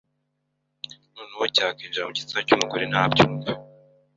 noneho cyakinjira mu gitsina cy’umugore ntabyumve